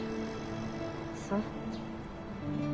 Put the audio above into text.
そう。